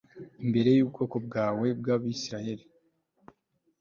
imbere yubwoko bwawe bwAbisirayeli